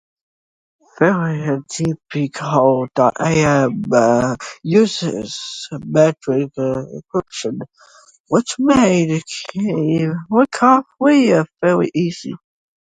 Variant Gpcode.am uses symmetric encryption, which made key recovery very easy.